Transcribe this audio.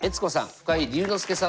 深井龍之介さんです。